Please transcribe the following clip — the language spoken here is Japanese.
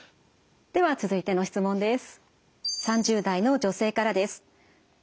では続いての質問です。